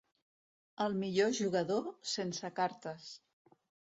El millor jugador, sense cartes.